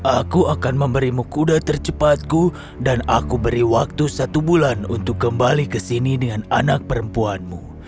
aku akan memberimu kuda tercepatku dan aku beri waktu satu bulan untuk kembali ke sini dengan anak perempuanmu